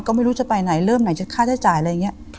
ก็ไม่รู้จะไปไหนเริ่มไหนจะค่าใช้จ่ายอะไรอย่างนี้